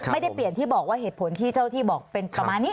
ไม่ได้เปลี่ยนที่บอกว่าเหตุผลที่เจ้าที่บอกเป็นประมาณนี้